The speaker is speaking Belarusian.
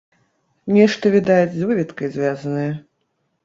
Нешта, відаць, з выведкай звязанае.